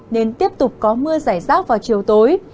nên tiếp tục có mưa giải rác vào chiều tối